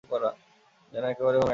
যেন একেবারে হোমের আগুন।